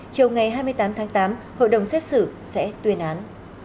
chiều ngày hai mươi tám tháng tám hội đồng xét xử sẽ tuyên án